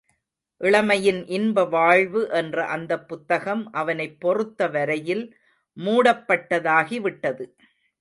இளமையின் இன்ப வாழ்வு என்ற அந்தப் புத்தகம் அவனைப் பொறுத்த வரையில் மூடப்பட்டதாகி விட்டது.